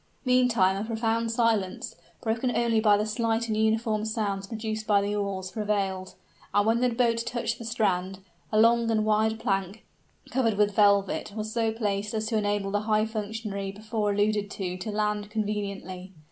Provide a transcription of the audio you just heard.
Meantime a profound silence, broken only by the slight and uniform sounds produced by the oars, prevailed: and when the boat touched the strand, a long and wide plank, covered with velvet, was so placed as to enable the high functionary before alluded to to land conveniently.